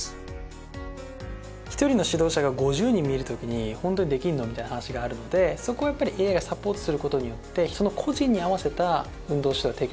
一人の指導者が５０人見る時にホントにできるの？みたいな話があるのでそこをやっぱりＡＩがサポートする事によってその個人に合わせた運動指導が提供できるようになる。